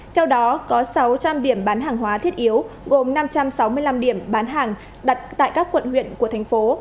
theo đó có sáu trăm linh điểm bán hàng hóa thiết yếu gồm năm trăm sáu mươi năm điểm bán hàng đặt tại các quận huyện của thành phố